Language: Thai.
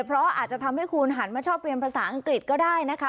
เพราะอาจจะทำให้คุณหันมาชอบเรียนภาษาอังกฤษก็ได้นะคะ